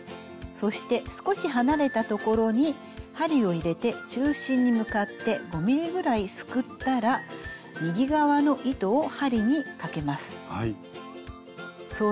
そして少し離れた所に針を入れて中心に向かって５ｍｍぐらいすくったら右側の糸を針にかけます。